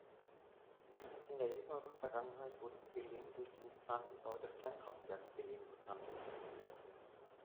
In der jüngeren Vergangenheit wurde Belene durch den geplanten Bau des Kernkraftwerks Belene bekannt.